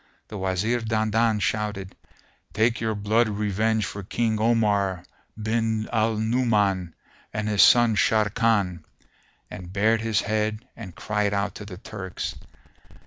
The Wazir Dandan shouted, "Take your blood revenge for King Omar bin al Nu'uman and his son Sharrkan!"; and bared his head and cried out to the Turks.